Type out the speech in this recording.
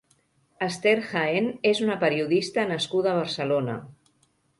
Esther Jaén és una periodista nascuda a Barcelona.